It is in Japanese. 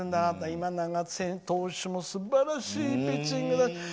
今永投手もすばらしいピッチングで。